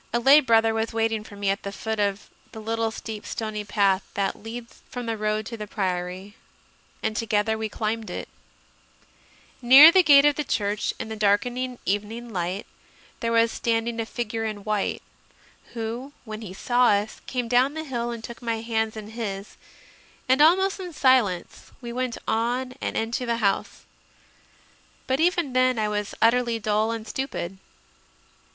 A lay brother was waiting for me at the foot of the little steep stony path that leads from the road to the Priory, and together we climbed it. Near the gate of the church, in the darkening evening light, there was standing a figure in white, who, when he saw us, came down the hill and took my hands in his; and, almost in silence, we went on and into the house. But even then I was utterly dull and stupid.